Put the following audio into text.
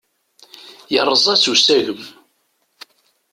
Yerreẓ-as usagem.